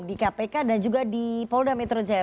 di kpk dan juga di polda metro jaya